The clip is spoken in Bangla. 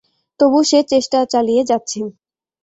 তবু সে চেষ্টা চালিয়ে যাচ্ছে।